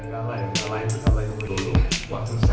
dan jerseys capres dari media perjuangan